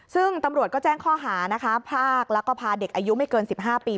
ซึ่งตำรวจก็แจ้งข้อหานะคะพรากแล้วก็พาเด็กอายุไม่เกิน๑๕ปี